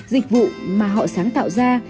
dịch vụ mà họ sáng tạo ra